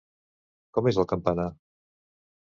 Com és el campanar?